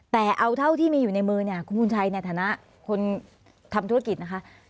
แต่เอาเท่าที่มีอยู่ในมือเนี่ยคุณบุญชัยในฐานะคนทำธุรกิจนะคะ